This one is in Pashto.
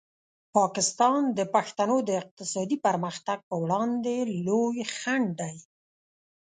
پاکستان د پښتنو د اقتصادي پرمختګ په وړاندې لوی خنډ دی.